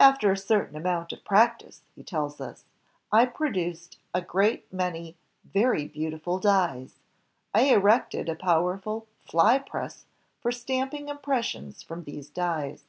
"After a certain amount of practice," he tells us, ''I produced a great many very beautiful dies. ... I erected a powerful 'fly press' for stamping impressions from these dies.